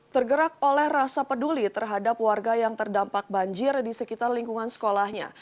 tergerak oleh rasa peduli terhadap warga yang terdampak banjir di sekitar lingkungan sekolahnya